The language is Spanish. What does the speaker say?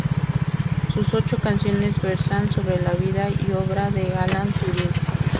Sus ocho canciones versan sobre la vida y obra de Alan Turing.